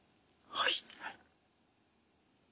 はい。